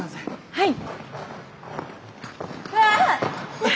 はい。